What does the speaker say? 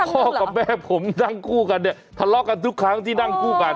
กับแม่ผมนั่งคู่กันเนี่ยทะเลาะกันทุกครั้งที่นั่งคู่กัน